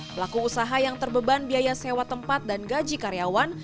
pelaku usaha yang terbeban biaya sewa tempat dan gaji karyawan